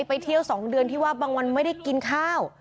ไปเที่ยว๒เดือนที่ว่าบางวันไม่ได้กินข้าว